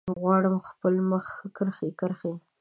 غواړم خپل مخ کرښې، کرښې